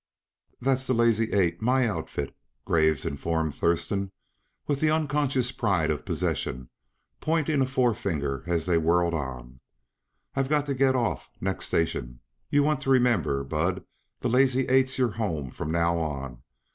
"That's the Lazy Eight my outfit," Graves informed Thurston with the unconscious pride of possession, pointing a forefinger as they whirled on. "I've got to get off, next station. Yuh want to remember, Bud, the Lazy Eight's your home from now on.